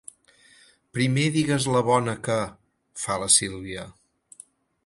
Primer digues la bona que —fa la Sílvia.